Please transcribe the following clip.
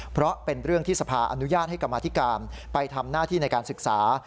เพราะเป็นเรื่องที่สภาอนุญาตให้กรรมธิการไปทำหน้าที่ในการศึกษา